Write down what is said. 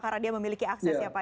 karena dia memiliki akses ya pak